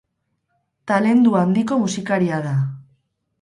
Talendu handiko musikaria da.